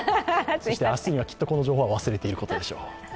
そして明日にはこの情報は忘れていることでしょう。